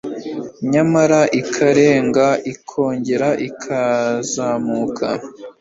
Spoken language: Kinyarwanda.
nyamara ikarenga ikongera ikazamuka